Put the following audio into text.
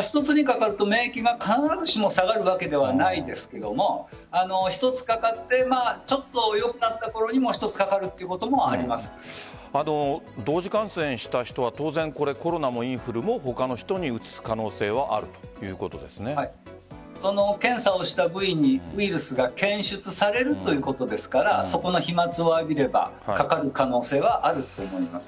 一つにかかると免疫が必ずしも下がるわけではないですけども１つかかってちょっと良くなったころに同時感染した人は当然コロナもインフルも他の人にうつす可能性は検査をした部位にウイルスが検出されるということですからそこの飛沫を浴びればかかる可能性はあると思います。